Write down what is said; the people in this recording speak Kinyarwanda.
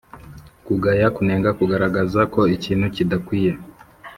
kugaya : kunenga; kugaragaza ko ikintu kidakwiye.